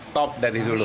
top dari dulu